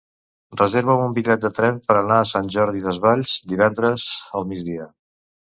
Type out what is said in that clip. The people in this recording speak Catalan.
Reserva'm un bitllet de tren per anar a Sant Jordi Desvalls divendres al migdia.